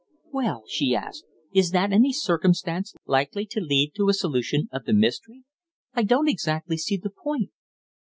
"Well," she asked, "is that any circumstance likely to lead to a solution of the mystery? I don't exactly see the point."